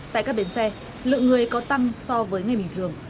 tại các bến xe lượng người có tăng so với ngày bình thường